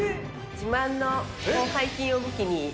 自慢の広背筋を武器に。